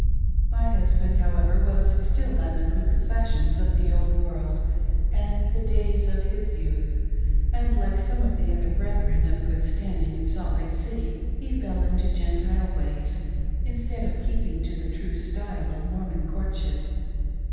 My husband, however, was still leavened with the fashions of the old world and the days of his youth, and like some of the " THE rf ICEST OLE 'OMAN IN THE CaUNTRY !" 549 f>ther brethren of good standing in S^h Lake City, he fell into Gentile ways instead of keeping to the true style of Mormon courtship.